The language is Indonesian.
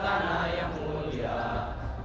karena agar anak masih juga semangat